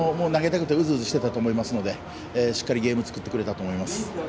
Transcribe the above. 投げたくてうずうずしてたと思うのでしっかりゲーム作ってくれたと思います。